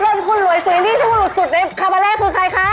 เริ่มคุณหลวยสวยลี่ที่หลุดสุดในคาบาเลคือใครค่ะ